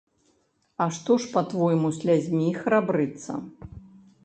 А што ж, па-твойму, слязьмі храбрыцца?